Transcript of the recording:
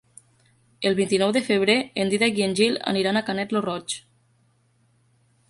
El vint-i-nou de febrer en Dídac i en Gil aniran a Canet lo Roig.